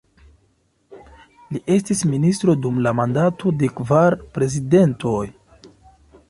Li estis ministro dum la mandato de kvar prezidentoj.